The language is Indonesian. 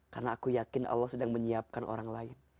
karena aku yakin allah sedang menyiapkan orang lain